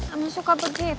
aku suka begitu nih